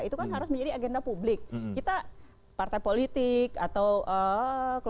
itu kan harus menjadi agenda publik kita partai politik atau kelompok